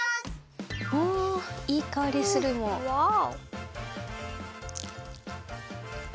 おいいかおりするもう。わお！